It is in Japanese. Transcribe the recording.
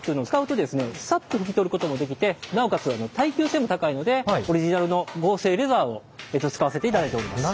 さっとふき取ることもできてなおかつ耐久性も高いのでオリジナルの合成レザーを使わせていただいております。